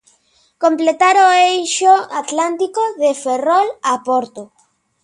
Completar o eixo atlántico de Ferrol a Porto.